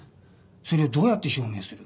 それをどうやって証明する？